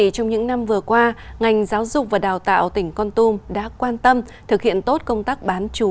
trong những năm vừa qua ngành giáo dục và đào tạo tỉnh con tum đã quan tâm thực hiện tốt công tác bán chú